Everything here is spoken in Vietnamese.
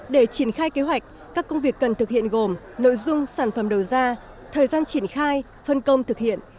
để triển khai kế hoạch các công việc cần thực hiện gồm nội dung sản phẩm đầu ra thời gian triển khai phân công thực hiện